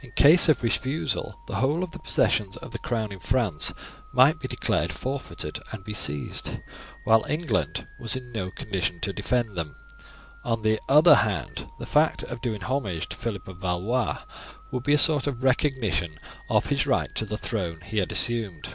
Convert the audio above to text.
In case of a refusal the whole of the possessions of the crown in France might be declared forfeited and be seized, while England was in no condition to defend them; on the other hand, the fact of doing homage to Phillip of Valois would be a sort of recognition of his right to the throne he had assumed.